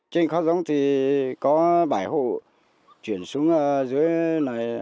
trên khóa giống thì có bảy hộ chuyển xuống dưới này